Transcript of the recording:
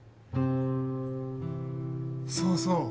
そうそう！